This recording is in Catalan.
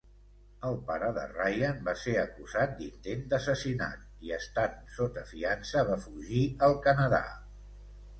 El pare de Ryan va ser acusat d'intent d'assassinat i estant sota fiança va fugir al Canadà.